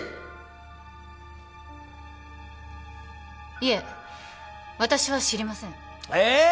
いえ私は知りませんえ！？